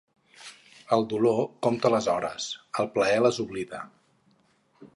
El dolor compta les hores; el plaer les oblida.